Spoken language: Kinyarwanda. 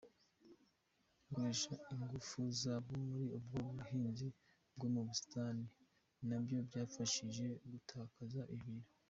Gukoresha ingufu zabo muri ubwo buhinzi bwo mu busitani na byo byabafashije gutakaza ibiro.